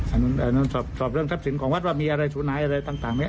สอบเรื่องทัพสินของวัดว่ามีอะไรสุนายอะไรต่างนี้